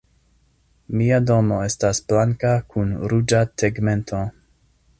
Mia domo estas blanka kun ruĝa tegmento.